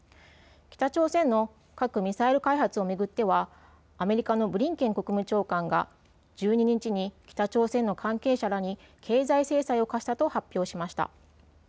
北朝鮮の核・ミサイル開発を巡ってはアメリカのブリンケン国務長官が１２日に北朝鮮の関係者らに経済制裁を科したと発表しました。